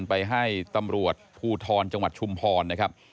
ไปให้ตำรวจภูทรจังหวัดชุมพรนะครับ